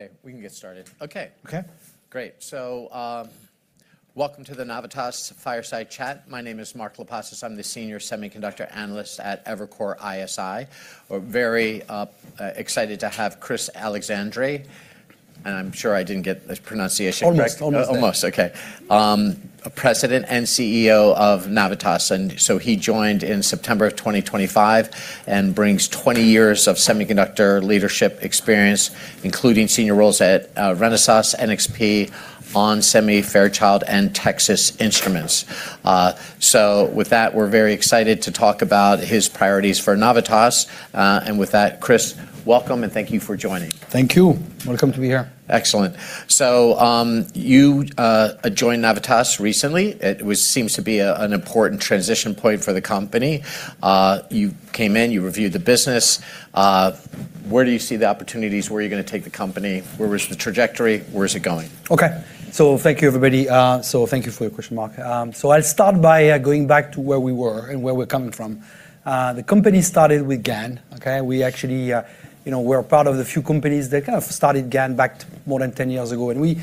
Okay, we can get started. Okay. Okay. Great. Welcome to the Navitas Fireside Chat. My name is Mark Lipacis. I'm the Senior Semiconductor Analyst at Evercore ISI. We're very excited to have Chris Allexandre, and I'm sure I didn't get the pronunciation- Almost. Almost. Okay. President and CEO of Navitas. He joined in September of 2025 and brings 20 years of semiconductor leadership experience, including senior roles at Renesas, NXP, onsemi, Fairchild, and Texas Instruments. With that, we're very excited to talk about his priorities for Navitas. With that, Chris, welcome, and thank you for joining. Thank you. Welcome to be here. Excellent. You joined Navitas recently. It seems to be an important transition point for the company. You came in, you reviewed the business. Where do you see the opportunities? Where are you going to take the company? Where is the trajectory? Where is it going? Okay. Thank you, everybody. Thank you for your question, Mark. I'll start by going back to where we were and where we're coming from. The company started with GaN. Okay. We're part of the few companies that kind of started GaN back more than 10 years ago. We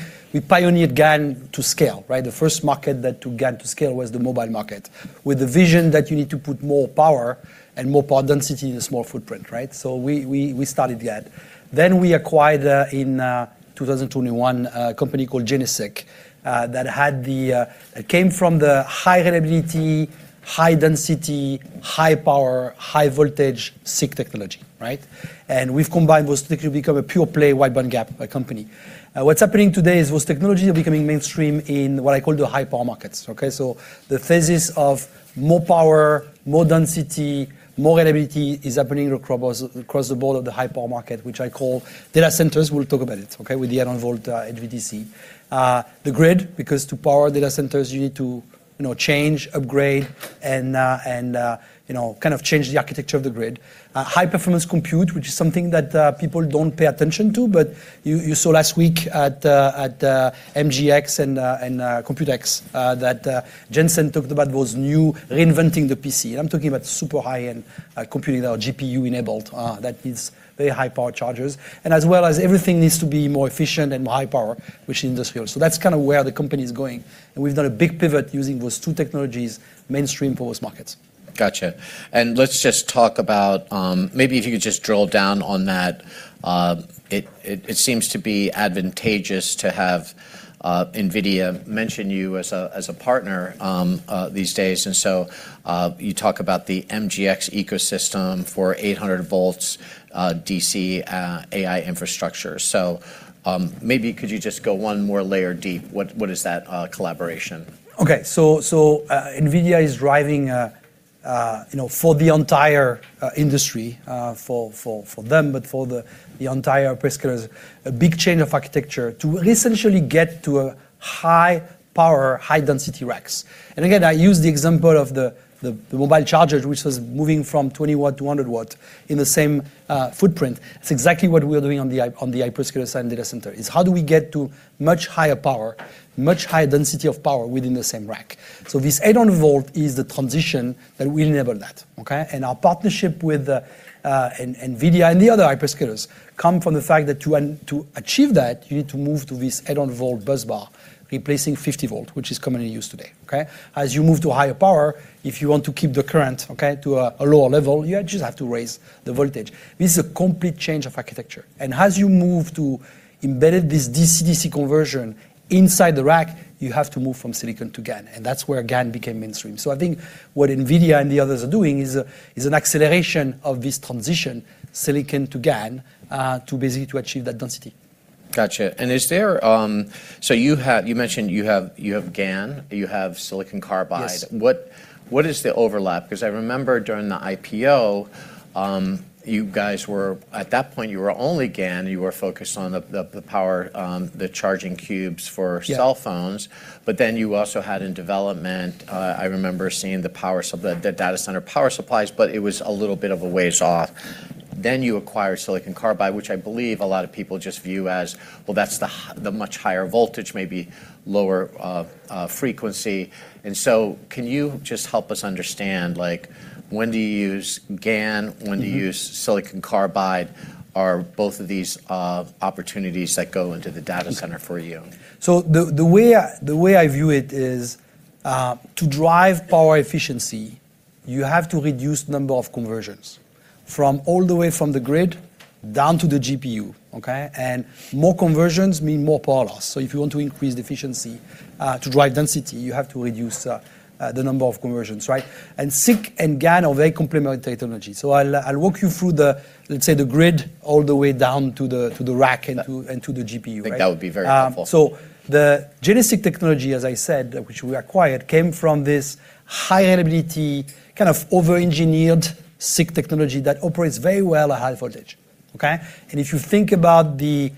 pioneered GaN to scale, right? The first market that took GaN to scale was the mobile market with the vision that you need to put more power and more power density in a small footprint, right? We started that. We acquired, in 2021, a company called GeneSiC that came from the high reliability, high density, high power, high voltage SiC technology, right? We've combined those to become a pure-play, wide bandgap company. What's happening today is those technologies are becoming mainstream in what I call the high power markets, okay? The thesis of more power, more density, more reliability is happening across the board of the high-power market, which I call data centers. We'll talk about it, okay, with the 800 V HVDC. The grid, because to power data centers, you need to change, upgrade, and kind of change the architecture of the grid. High-performance compute, which is something that people don't pay attention to, but you saw last week at MGX and Computex that Jensen talked about was new, reinventing the PC. I'm talking about super high-end computing, GPU-enabled, that needs very high-power chargers. As well as everything needs to be more efficient and high-power, which industrial. That's kind of where the company's going, and we've done a big pivot using those two technologies, mainstream for those markets. Got you. Let's just talk about, maybe if you could just drill down on that. It seems to be advantageous to have NVIDIA mention you as a partner these days, and so you talk about the MGX ecosystem for 800 V DC AI infrastructure. Maybe could you just go one more layer deep? What is that collaboration? Okay. NVIDIA is driving for the entire industry, for them, but for the entire hyperscalers, a big change of architecture to essentially get to high power, high density racks. Again, I use the example of the mobile chargers, which was moving from 20 W to 100 W in the same footprint. It's exactly what we are doing on the hyperscaler side and data center, is how do we get to much higher power, much higher density of power within the same rack. This 800 V is the transition that will enable that. Okay. Our partnership with NVIDIA and the other hyperscalers come from the fact that to achieve that, you need to move to this 800 V busbar, replacing 50 V, which is commonly used today. As you move to higher power, if you want to keep the current to a lower level, you just have to raise the voltage. This is a complete change of architecture. As you move to embed this DC/DC conversion inside the rack, you have to move from silicon to GaN. That's where GaN became mainstream. I think what NVIDIA and the others are doing is an acceleration of this transition, silicon to GaN, to achieve that density. Got you. You mentioned you have GaN, you have silicon carbide. Yes. What is the overlap? I remember during the IPO, at that point, you were only GaN. You were focused on the charging cubes for cell phones. You also had in development, I remember seeing the data center power supplies, but it was a little bit of a ways off. You acquired silicon carbide, which I believe a lot of people just view as, well, that's the much higher voltage, maybe lower frequency. Can you just help us understand, when do you use GaN, when do you use silicon carbide? Are both of these opportunities that go into the data center for you? The way I view it is, to drive power efficiency, you have to reduce number of conversions from all the way from the grid down to the GPU. Okay? More conversions mean more power loss. If you want to increase the efficiency to drive density, you have to reduce the number of conversions, right? SiC and GaN are very complementary technologies. I'll walk you through the, let's say, the grid all the way down to the rack and to the GPU, right? I think that would be very helpful. The GeneSiC technology, as I said, which we acquired, came from this high-reliability, kind of over-engineered SiC technology that operates very well at high voltage. If you think about the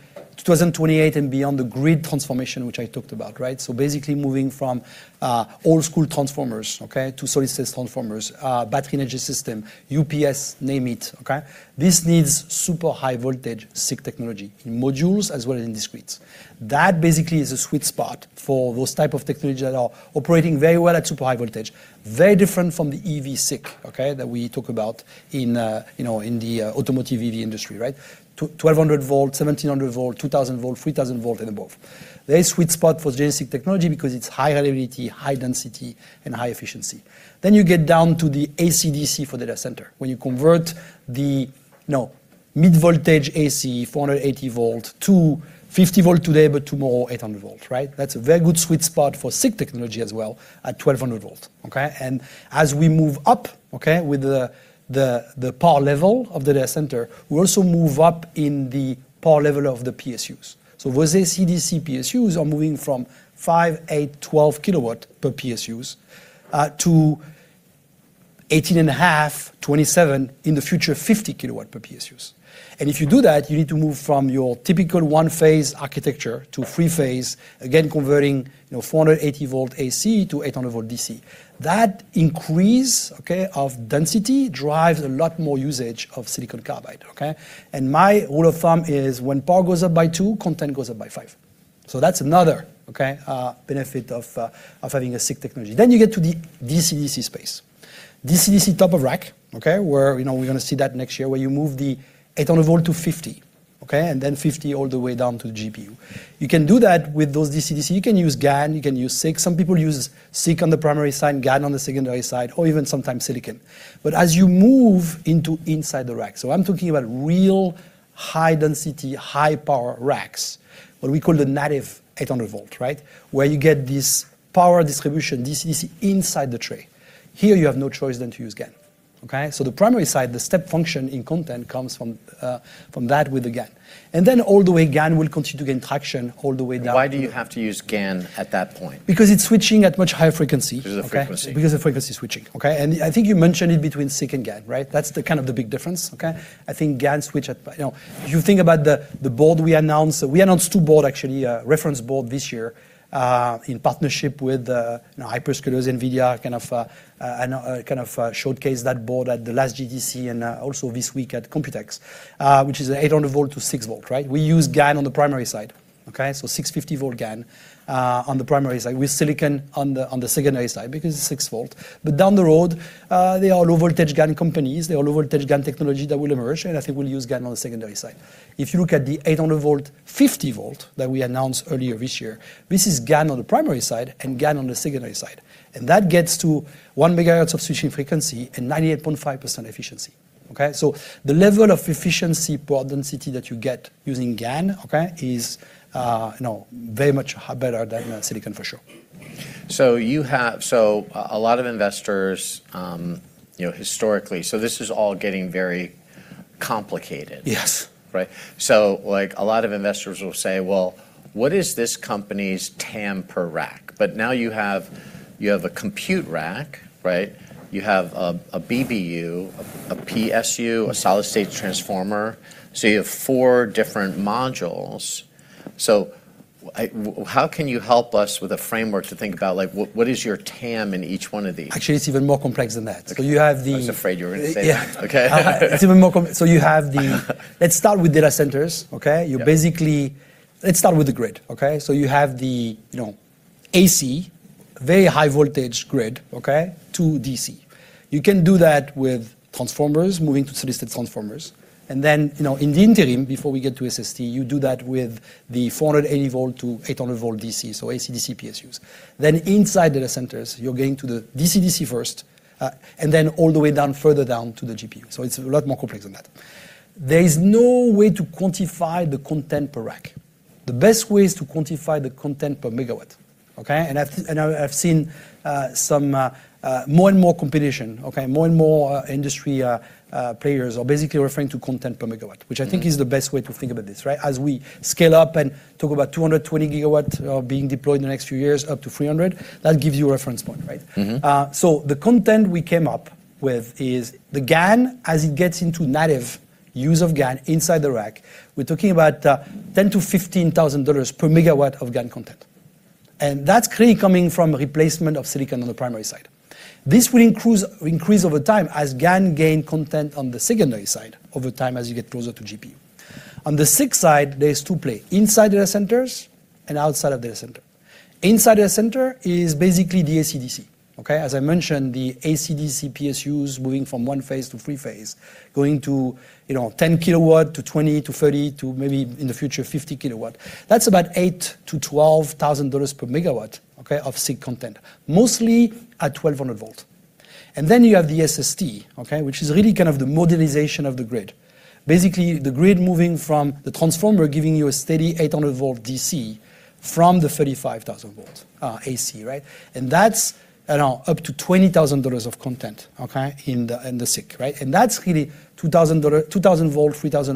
2028 and beyond the grid transformation, which I talked about, right? Basically moving from old-school transformers to solid-state transformers, battery energy system, UPS, name it. This needs super high voltage SiC technology in modules as well as in discretes. That basically is a sweet spot for those type of technologies that are operating very well at super high voltage. Very different from the EV SiC that we talk about in the automotive EV industry, right? 1,200 V, 1,700 V, 2,000 V, 3,000 V, and above. Very sweet spot for GeneSiC technology because it's high reliability, high density, and high efficiency. You get down to the AC/DC for data center. When you convert mid-voltage AC, 480 V to 50 V today, but tomorrow 800 V, right? That's a very good sweet spot for SiC technology as well at 1,200 V. Okay? As we move up, okay, with the power level of the data center, we also move up in the power level of the PSUs. With AC/DC PSUs are moving from five, eight, 12 kW per PSUs, to 18.5 kW, 27 kW, in the future, 50 kW per PSUs. If you do that, you need to move from your typical one-phase architecture to three-phase, again, converting 480 V AC to 800 V DC. That increase, okay, of density drives a lot more usage of Silicon Carbide, okay? My rule of thumb is when power goes up by two, content goes up by five. That's another, okay, benefit of having a SiC technology. You get to the DC/DC space. DC/DC top of rack, okay, where we're going to see that next year, where you move the 800 V to 50 V, okay? 50 V all the way down to the GPU. You can do that with those DC/DC. You can use GaN, you can use SiC. Some people use SiC on the primary side and GaN on the secondary side, or even sometimes silicon. As you move into inside the rack, so I'm talking about real high density, high power racks, what we call the native 800 V right? Where you get this power distribution, DC inside the tray. Here, you have no choice than to use GaN. Okay? The primary side, the step function in content comes from that with the GaN. All the way, GaN will continue to gain traction all the way down. Why do you have to use GaN at that point? It's switching at much higher frequency. Because of the frequency. Because of frequency switching. Okay. I think you mentioned it between SiC and GaN, right? That's the big difference, okay? I think GaN switch. If you think about the board we announced, we announced two board actually, reference board this year, in partnership with hyperscalers, NVIDIA, kind of showcased that board at the last GTC and also this week at Computex, which is 800 V to 6 V, right? We use GaN on the primary side. Okay, so 650 V GaN on the primary side with silicon on the secondary side because it's 6 V. Down the road, there are low voltage GaN companies. There are low voltage GaN technology that will emerge, I think we'll use GaN on the secondary side. If you look at the 800 V, 50 V that we announced earlier this year, this is GaN on the primary side and GaN on the secondary side. That gets to 1 MHz of switching frequency and 98.5% efficiency. Okay? The level of efficiency per density that you get using GaN, okay, is very much better than silicon for sure. A lot of investors, historically, so this is all getting very complicated. Yes. Right. A lot of investors will say, "Well, what is this company's TAM per rack?" Now you have a compute rack, right? You have a BBU, a PSU, a Solid-State Transformer. You have four different modules. How can you help us with a framework to think about what is your TAM in each one of these? Actually, it's even more complex than that. Okay. Because you have the- I was afraid you were going to say that. Yeah. Okay. It's even more. Let's start with data centers, okay? Yeah. Let's start with the grid, okay? You have the AC, very high voltage grid, okay, to DC. You can do that with transformers moving to Solid-State Transformers. Then, in the interim, before we get to SST, you do that with the 480 V to 800 V DC, so AC/DC PSUs. Inside data centers, you're going to the DC/DC first, and then all the way down, further down to the GPU. It's a lot more complex than that. There is no way to quantify the content per rack. The best way is to quantify the content per megawatt, okay? I've seen more and more competition, okay, more and more industry players are basically referring to content per megawatt. Which I think is the best way to think about this, right? As we scale up and talk about 220 GW being deployed in the next few years, up to 300 GW, that gives you a reference point, right? The content we came up with is the GaN, as it gets into native use of GaN inside the rack, we're talking about $10,000-$15,000 per megawatt of GaN content. That's clearly coming from replacement of silicon on the primary side. This will increase over time as GaN gain content on the secondary side over time as you get closer to GPU. On the SiC side, there's two play, inside data centers and outside of data center. Inside data center is basically the AC/DC. Okay. As I mentioned, the AC/DC PSUs moving from one phase to three phase, going to 10 kW to 20 kW to 30 kW to maybe in the future 50 kW. That's about $8,000-$12,000 per megawatt, okay, of SiC content. Mostly at 1,200 V. You have the SST, okay, which is really the modernization of the grid. Basically, the grid moving from the transformer giving you a steady 800 V DC from the 35,000 V AC, right? That's up to $20,000 of content, okay, in the SiC, right? That's really 2,000 V, 3,000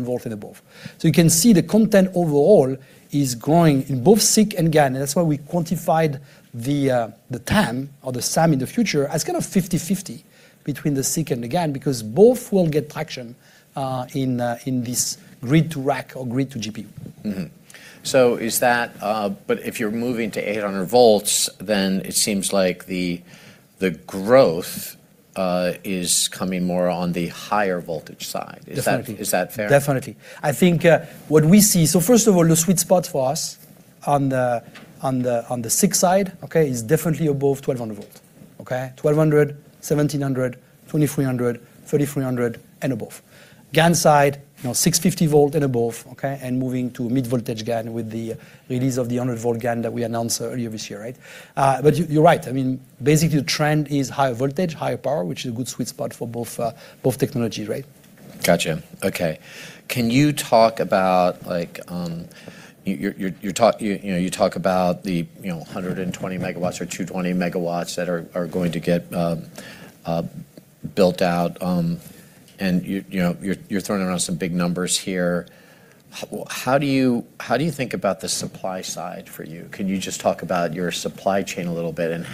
V, and above. You can see the content overall is growing in both SiC and GaN, and that's why we quantified the TAM, or the SAM in the future, as kind of 50/50 between the SiC and the GaN because both will get traction in this grid to rack or grid to GPU. Mm-hmm. If you're moving to 800 V, then it seems like the growth is coming more on the higher voltage side. Definitely. Is that fair? Definitely. I think first of all, the sweet spot for us on the SiC side, okay, is definitely above 1,200 V. Okay? 1,200 V, 1,700 V, 2,300 V, 3,300 V, and above. GaN side, 650 V and above, okay, and moving to mid-voltage GaN with the release of the 100 V GaN that we announced earlier this year, right? You're right. Basically, the trend is higher voltage, higher power, which is a good sweet spot for both technologies, right? Got you. Okay. You talk about the 120 MW or 220 MW that are going to get built out, and you're throwing around some big numbers here. How do you think about the supply side for you? Can you just talk about your supply chain a little bit and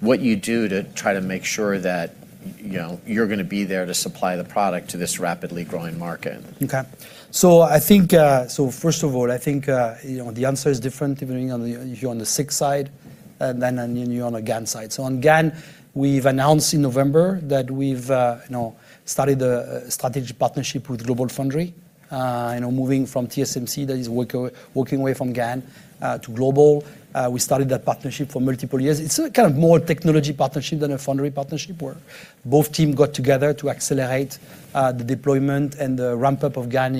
what you do to try to make sure that you're going to be there to supply the product to this rapidly growing market? Okay. First of all, I think the answer is different depending if you're on the SiC side than when you're on the GaN side. On GaN, we've announced in November that we've started a strategic partnership with GlobalFoundries. Moving from TSMC, that is working away from GaN to Global. We started that partnership for multiple years. It's kind of more technology partnership than a foundry partnership, where both team got together to accelerate the deployment and the ramp-up of GaN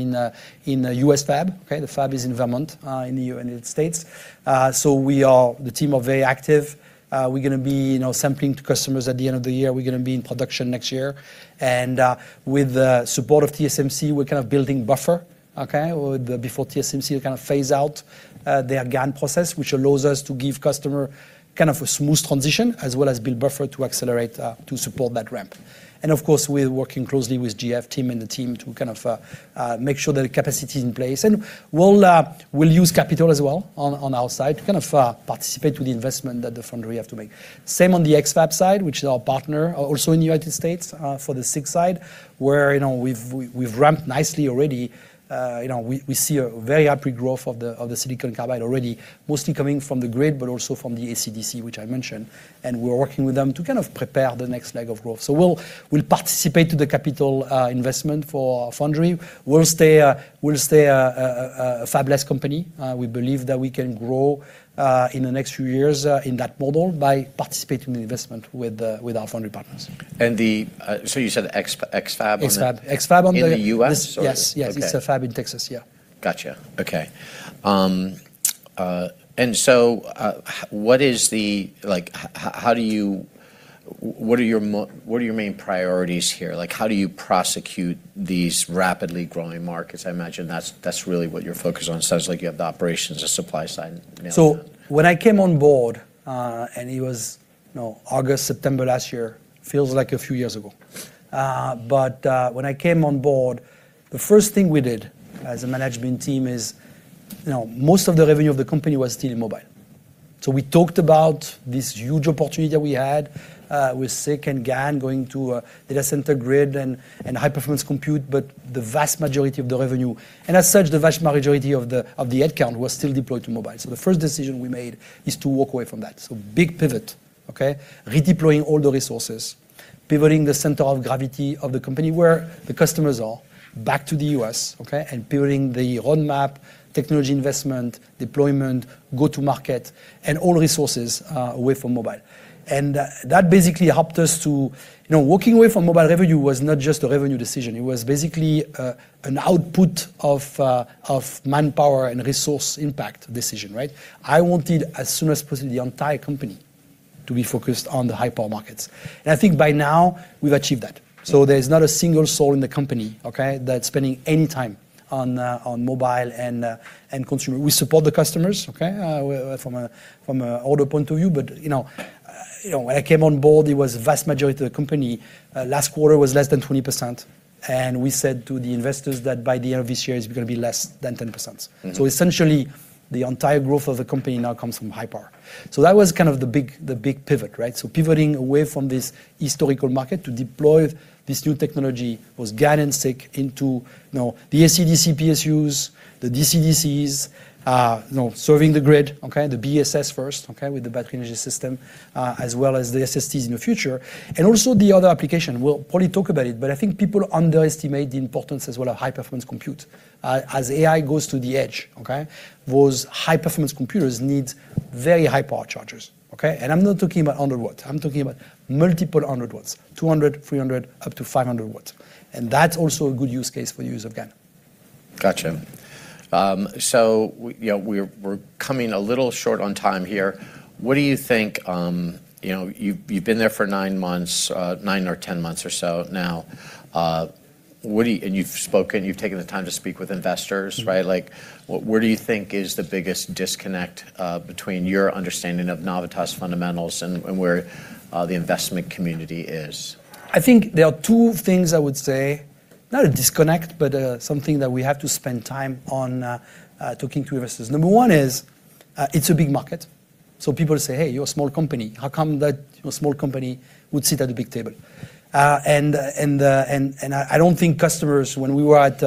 in a U.S. fab. Okay? The fab is in Vermont, in the United States. The team are very active. We're going to be sampling to customers at the end of the year. We're going to be in production next year. With the support of TSMC, we're kind of building buffer, okay, before TSMC will phase out their GaN process, which allows us to give customer a smooth transition, as well as build buffer to accelerate to support that ramp. Of course, we're working closely with GF team and the team to make sure that the capacity is in place. We'll use capital as well on our side to participate with the investment that the foundry have to make. Same on the X-FAB side, which is our partner also in the U.S. for the SiC side, where we've ramped nicely already. We see a very rapid growth of the silicon carbide already, mostly coming from the grid, but also from the AC/DC, which I mentioned, and we're working with them to prepare the next leg of growth. We'll participate to the capital investment for foundry. We'll stay a fabless company. We believe that we can grow, in the next few years, in that model by participating in the investment with our foundry partners. You said X-FAB. X-FAB. In the U.S. or? Yes. Okay. Yes, it's a fab in Texas. Yeah. Got you. Okay. What are your main priorities here? How do you prosecute these rapidly growing markets? I imagine that's really what you're focused on. Sounds like you have the operations, the supply side nailed down. When I came on board, and it was August, September last year, feels like a few years ago. When I came on board, the first thing we did as a management team is most of the revenue of the company was still in mobile. We talked about this huge opportunity that we had, with SiC and GaN going to a data center grid and high-performance compute. The vast majority of the revenue, and as such, the vast majority of the headcount was still deployed to mobile. The first decision we made is to walk away from that. Big pivot, okay? Redeploying all the resources, pivoting the center of gravity of the company where the customers are back to the U.S., okay? Pivoting the roadmap, technology investment, deployment, go to market, and all resources away from mobile. Walking away from mobile revenue was not just a revenue decision. It was basically an output of manpower and resource impact decision, right? I wanted, as soon as possible, the entire company to be focused on the high-power markets. I think by now we've achieved that. There's not a single soul in the company that's spending any time on mobile and consumer. We support the customers from an order point of view, but when I came on board, it was vast majority of the company. Last quarter was less than 20%, and we said to the investors that by the end of this year, it's going to be less than 10%. Essentially, the entire growth of the company now comes from high power. That was the big pivot, right? Pivoting away from this historical market to deploy this new technology, both GaN and SiC into the AC/DC PSUs, the DC/DCs, serving the grid, the BESS first, with the battery energy system, as well as the SSTs in the future. Also the other application, we'll probably talk about it, but I think people underestimate the importance as well of high-performance compute. As AI goes to the edge, those high-performance computers need very high-power chargers. I'm not talking about 100 W. I'm talking about multiple 100 W, 200 W, 300 W, up to 500 W. That's also a good use case for use of GaN. Got you. We're coming a little short on time here. You've been there for nine months, nine or 10 months or so now. You've spoken, you've taken the time to speak with investors, right? Where do you think is the biggest disconnect between your understanding of Navitas fundamentals and where the investment community is? I think there are two things I would say, not a disconnect, but something that we have to spend time on talking to investors. Number one is, it's a big market. People say, "Hey, you're a small company. How come that a small company would sit at a big table?" I don't think customers, when we were at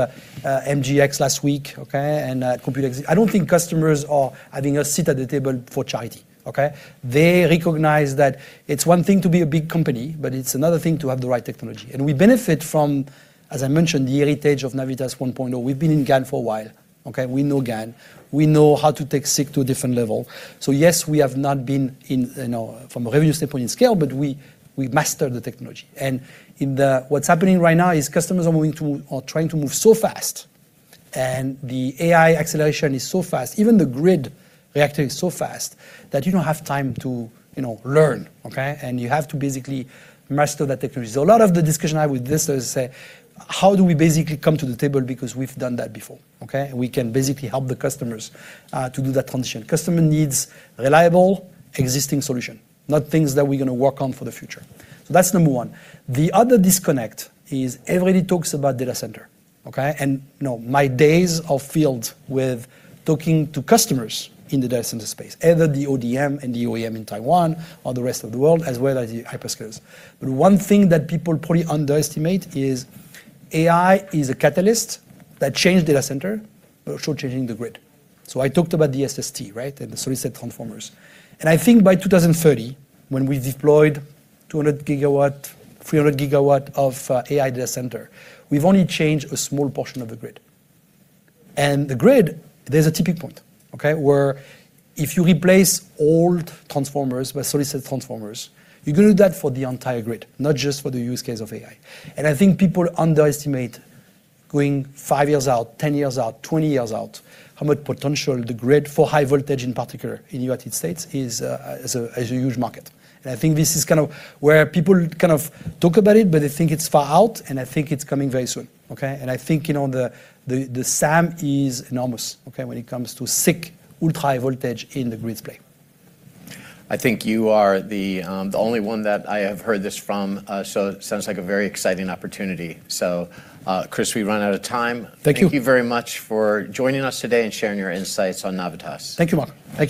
MGX last week, okay, and at Computex, I don't think customers are having a seat at the table for charity, okay? They recognize that it's one thing to be a big company, but it's another thing to have the right technology. We benefit from, as I mentioned, the heritage of Navitas 1.0. We've been in GaN for a while, okay? We know GaN. We know how to take SiC to a different level. Yes, we have not been in, from a revenue standpoint, in scale, but we've mastered the technology. What's happening right now is customers are trying to move so fast, and the AI acceleration is so fast, even the grid reaction is so fast, that you don't have time to learn, okay? You have to basically master that technology. A lot of the discussion I have with this is say, how do we basically come to the table because we've done that before, okay? We can basically help the customers to do that transition. Customer needs reliable, existing solution, not things that we're going to work on for the future. That's number one. The other disconnect is everybody talks about data center, okay? My days are filled with talking to customers in the data center space, either the ODM and the OEM in Taiwan or the rest of the world, as well as the hyperscalers. One thing that people probably underestimate is AI is a catalyst that changed data center, but also changing the grid. I talked about the SST, right, the solid-state transformers. I think by 2030, when we deployed 200 GW, 300 GW of AI data center, we've only changed a small portion of the grid. The grid, there's a tipping point, okay, where if you replace old transformers with solid-state transformers, you're going to do that for the entire grid, not just for the use case of AI. I think people underestimate going five years out, 10 years out, 20 years out, how much potential the grid for high voltage in particular in United States is a huge market. I think this is where people talk about it, but they think it's far out, I think it's coming very soon. I think the SAM is enormous when it comes to SiC ultra-high voltage in the grid play. I think you are the only one that I have heard this from. Sounds like a very exciting opportunity. Chris, we've run out of time. Thank you. Thank you very much for joining us today and sharing your insights on Navitas. Thank you, Mark. Thank you.